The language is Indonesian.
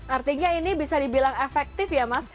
artinya ini bisa dibilang efektif ya mas